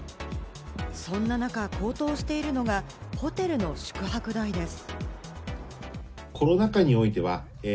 そんな中、高騰しているのがホテルの宿泊代です。